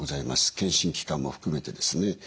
健診機関も含めてですね。